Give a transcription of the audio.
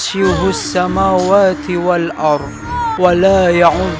dia tahu apa yang ada di antara dan di belakang